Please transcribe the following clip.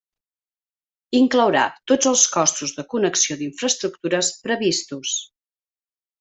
Inclourà tots els costos de connexió d'infraestructures previstos.